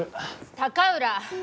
高浦！